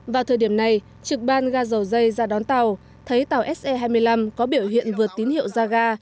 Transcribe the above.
vào thời điểm này trực ban ga dầu dây ra đón tàu thấy tàu se hai mươi năm có biểu hiện vượt tín hiệu ra ga